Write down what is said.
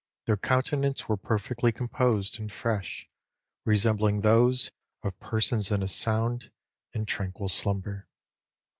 Their countenances were perfectly composed and fresh, resembling those of persons in a sound and tranquil slumber.'"